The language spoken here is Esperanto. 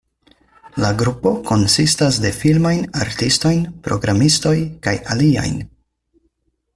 La grupo konsistas de filmajn artistojn, programistoj, kaj aliajn.